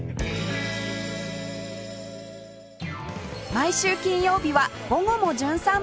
毎週金曜日は『午後もじゅん散歩』